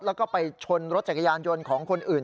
แล้วก็ไปชนรถจักรยานยนต์ของคนอื่น